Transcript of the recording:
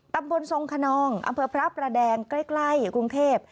ตำบลทรงขนองอำเภอพระประแดงใกล้กรุงเทพ